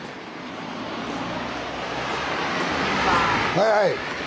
はいはい。